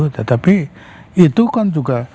tetapi itu kan juga